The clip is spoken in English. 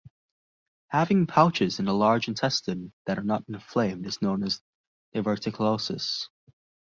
Having pouches in the large intestine that are not inflamed is known as diverticulosis.